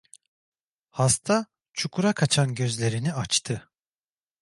Hasta, çukura kaçan gözlerini açtı.